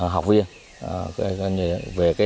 học viên về